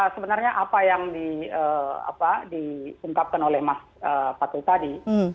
sebenarnya apa yang diungkapkan oleh mas fatul tadi